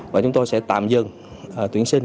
và chúng tôi sẽ tạm dừng tuyển sinh